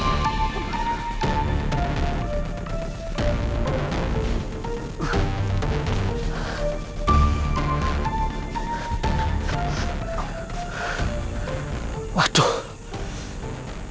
mesti dia kapur